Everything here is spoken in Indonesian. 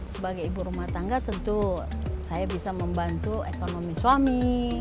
sebagai ibu rumah tangga tentu saya bisa membantu ekonomi suami